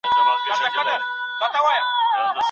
د سبزی خوراک اغېز لږ دی.